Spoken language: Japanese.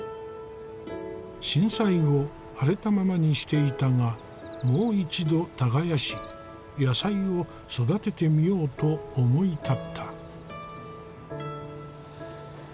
震災後荒れたままにしていたがもう一度耕し野菜を育ててみようと思い立った。